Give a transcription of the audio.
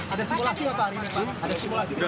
ada simulasi apa hari ini pak